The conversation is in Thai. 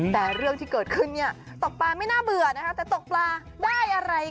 แต่เรื่องที่เกิดขึ้นเนี่ยตกปลาไม่น่าเบื่อนะคะแต่ตกปลาได้อะไร